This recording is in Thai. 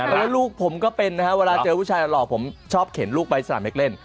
แล้วลูกผมก็เป็นนะฮะเวลาเจอผู้ชายหลอกผมชอบเข็นลูกไปสนามเล็กเล่น